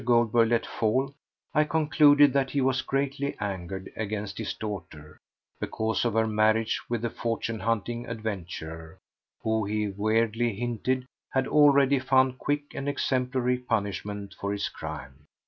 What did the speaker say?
Goldberg let fall I concluded that he was greatly angered against his daughter because of her marriage with a fortune hunting adventurer, who, he weirdly hinted, had already found quick and exemplary punishment for his crime.